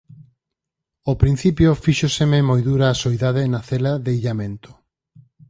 Ó principio fíxoseme moi dura a soidade na cela de illamento.